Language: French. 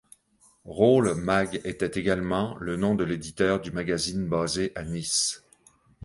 Role mag' était également le nom de l'éditeur du magazine, basé à Nice.